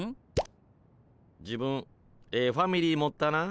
自分ええファミリー持ったな。